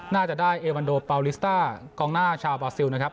น่าจะได้เอวันโดเปาลิสต้ากองหน้าชาวบาซิลนะครับ